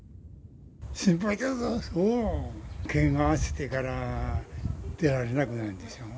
心配だよ、けがしてたら出られなくなるでしょ。